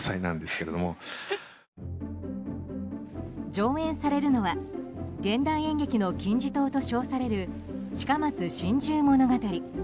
上演されるのは現代演劇の金字塔と称される「近松心中物語」。